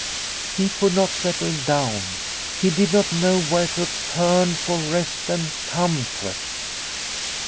He could not settle down, he did not know where to turn for rest and comfort.